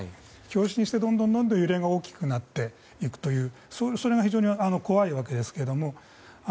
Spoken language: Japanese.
共振してどんどん揺れが大きくなっていくというそれが非常に怖いわけですけれども。